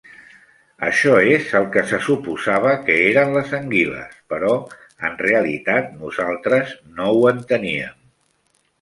Això és el que se suposava que eren les anguiles, però en realitat nosaltres no ho enteníem.